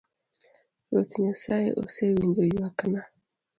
Ruoth nyasaye ose winjo ywakna.